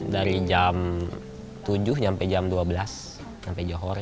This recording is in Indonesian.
dari jam tujuh sampai jam dua belas sampai johor